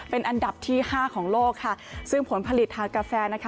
เป็นอันดับที่ห้าของโลกค่ะซึ่งผลผลิตทางกาแฟนะคะ